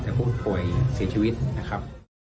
แต่ผู้ป่วยเสียชีวิตนะครับ